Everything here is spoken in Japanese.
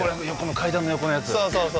階段の横のやつ。